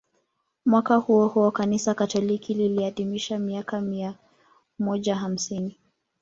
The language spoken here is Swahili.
Mwaka huo huo Kanisa Katoliki liliadhimisha miaka mia moja hamsini